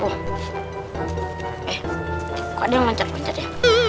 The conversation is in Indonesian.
kok dia lancar lancar ya